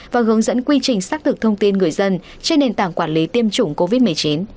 và hướng dẫn quy trình xác thực thông tin người dân trên nền tảng quản lý tiêm chủng covid một mươi chín